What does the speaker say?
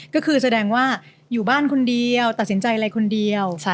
ก็คือแสดงว่าอยู่บ้านคนเดียวตัดสินใจอะไรคนเดียว